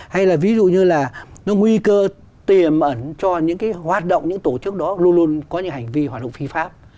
hay là ví dụ như là nó nguy cơ tiềm ẩn cho những cái hoạt động những tổ chức đó luôn luôn có những hành vi hoạt động phi pháp